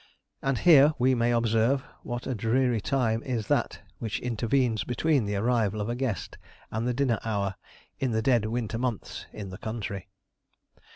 And here we may observe, what a dreary time is that which intervenes between the arrival of a guest and the dinner hour, in the dead winter months in the country.